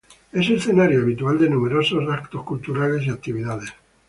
Es escenario habitual de numerosos eventos culturales y actividades.